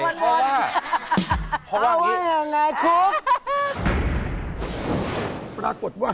ว่าอะไรคนเคอว่าอย่างไรคุก